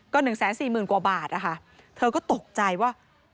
ก็๑๔๐๐๐๐กว่าบาทที่เธอก็ตกใจว่า